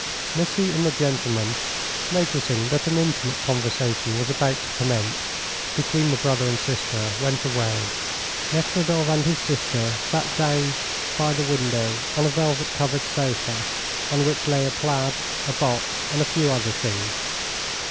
Missy and the gentleman, noticing that an intimate conversation was about to commence between the brother and sister, went away. Nekhludoff and his sister sat down by the window on a velvet covered sofa, on which lay a plaid, a box, and a few other things.